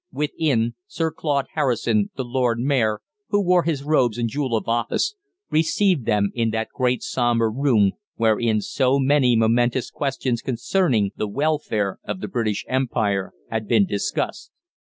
Within, Sir Claude Harrison, the Lord Mayor, who wore his robes and jewel of office, received them in that great, sombre room wherein so many momentous questions concerning the welfare of the British Empire had been discussed.